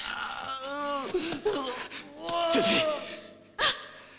あっ！